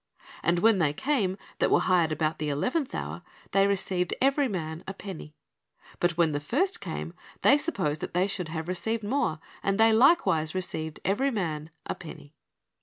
And when they came that were hired about the eleventh hour, they received ev^ery man a penny. But when the first came, they supposed that they should have received more; and they likewise received every man a penny."